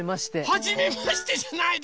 はじめましてじゃないでしょ！